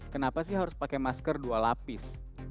kenapa sih harus pakai masker dua lapis